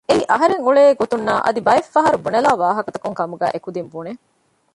އެއީ އަހަރެން އުޅޭ ގޮތުންނާ އަދި ބައެއް ފަހަރު ބުނެލާ ވާހަކަތަކުން ކަމުގައި އެ ކުދިން ބުނެ